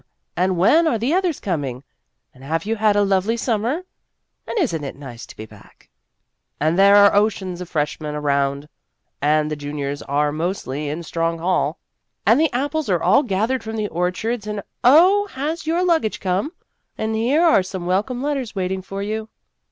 and when are the others coming ? and have you had a lovely summer ? and is n't it nice to be back ? and there are oceans of freshmen around, and the juniors are mostly in Strong Hall, and the apples are all gathered from the orchards, and oh, has your luggage come ? A Superior Young Woman 179 and here are some welcome letters waiting for you.